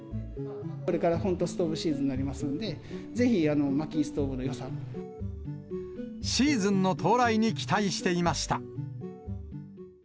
これから本当、ストーブシーズンになりますので、シーズンの到来に期待していました。